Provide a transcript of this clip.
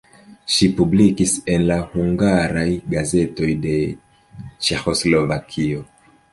Ŝi publikis en la hungaraj gazetoj de Ĉeĥoslovakio.